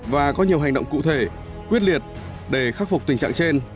và có nhiều hành động cụ thể quyết liệt để khắc phục tình trạng trên